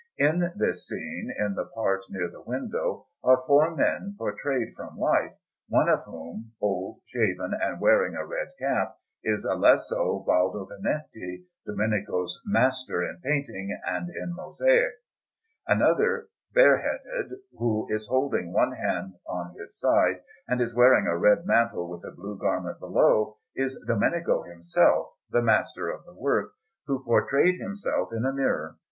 In this scene, in the part near the window, are four men portrayed from life, one of whom, old, shaven, and wearing a red cap, is Alesso Baldovinetti, Domenico's master in painting and in mosaic. Another, bareheaded, who is holding one hand on his side and is wearing a red mantle, with a blue garment below, is Domenico himself, the master of the work, who portrayed himself in a mirror.